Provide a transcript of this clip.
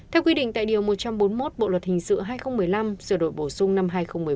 theo quy định tại điều một trăm bốn mươi một bộ luật hình sự hai nghìn một mươi năm sửa đổi bổ sung năm hai nghìn một mươi bốn